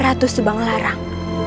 ratu sebang larang